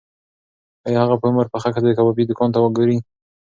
ایا هغه په عمر پخه ښځه د کبابي دوکان ته ګوري؟